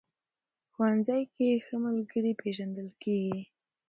ښوونځی کې ښه ملګري پېژندل کېږي